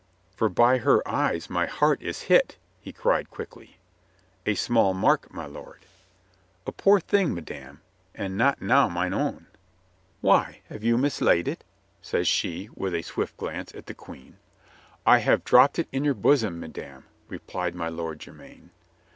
" 'For by her eyes my heart is hit,* " he cried quickly. "A small mark, my lord." A poor thing, madame, and not now mine own." "WHY COME YE NOT TO COURT?" 131 "Why, have you mislaid it?" says she, with a swift glance at the Queen. "I have dropped it in your bosom, madame," re plied my Lord Jermyn.